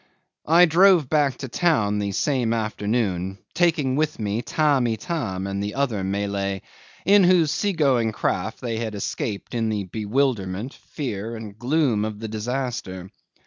'I drove back to town the same afternoon, taking with me Tamb' Itam and the other Malay, in whose seagoing craft they had escaped in the bewilderment, fear, and gloom of the disaster.